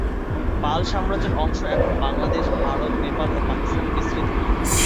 পাল সাম্রাজ্যের অংশ এখন বাংলাদেশ, ভারত, নেপাল, ও পাকিস্তানে বিস্তৃত।